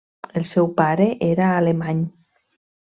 El seu pare era alemany.